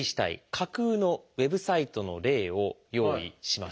架空のウェブサイトの例を用意しました。